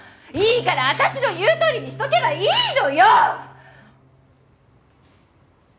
いいから私の言うとおりにしとけばいいのよ！